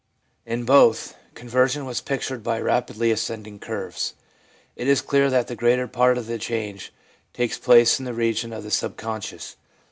In both, conversion was pictured by rapidly ascending curves. It is clear that the greater part of the change takes place in the region of the sub conscious.